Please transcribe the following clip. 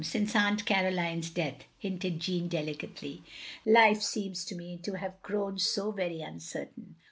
Since Aunt Caroline's death," hinted Jeanne delicately, "life seems to me to have grown so very uncertain."